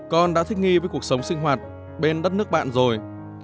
con đã thích nghi với cuộc sống sinh hoạt bên đất nước bạn rồi